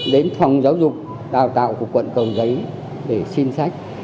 đến phòng giáo dục đào tạo của quận cầu giấy để xin sách